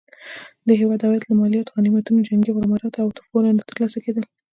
د هیواد عواید له مالیاتو، غنیمتونو، جنګي غراماتو او تحفو نه ترلاسه کېدل.